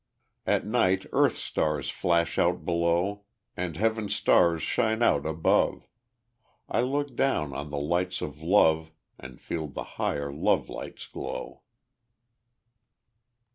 At night earth stars flash out below, And heaven stars shine out above; I look down on the lights of love, And feel the higher love lights glow.